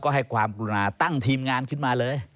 ให้ความกรุณาตั้งทีมงานขึ้นมาเลย